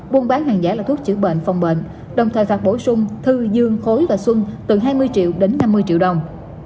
buôn bán hàng giả là thuốc chữa bệnh phòng bệnh đồng thời phạt bổ sung thư dương khối và xuân từ hai mươi triệu đến năm mươi triệu đồng